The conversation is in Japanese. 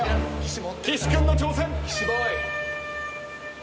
岸君の挑戦。